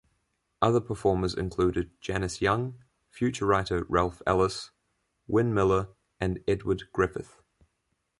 Other performers included Janis Young, future writer Ralph Ellis, Wynne Miller, and Edward Griffith.